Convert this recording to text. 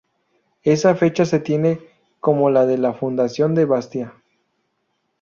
Esa fecha se tiene como la de la fundación de Bastia.